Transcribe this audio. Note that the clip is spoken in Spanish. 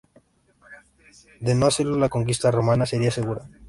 De no hacerlo la conquista romana sería segura.